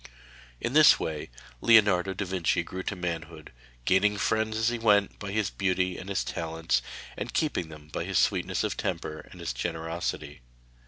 In this way Leonardo da Vinci grew to manhood, gaining friends as he went by his beauty and his talents, and keeping them by his sweetness of temper and his generosity.